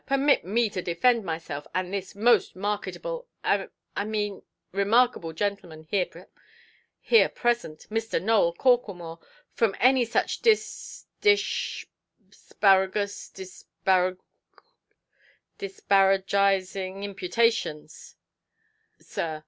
Permit me to defend myself and this most marketable—I—I mean remarkable gentleman here present, Mr. Nowell Corklemore, from any such dis—dish—sparagus, disparagizing imputations, sir.